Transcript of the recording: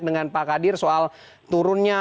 dengan pak kadir soal turunnya